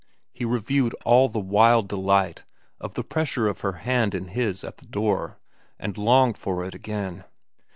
He reviewed all the wild delight of the pressure of her hand in his at the door, and longed for it again.